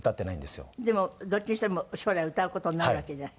でもどっちにしても将来歌う事になるわけじゃない。